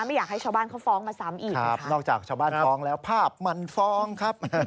ไม่อยากให้ชาวบ้านเขาฟ้องมาซ้ำอีก